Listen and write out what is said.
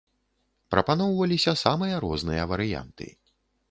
Прапаноўваліся самыя розныя варыянты.